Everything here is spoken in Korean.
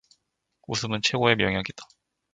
웃음은 최고의 명약이다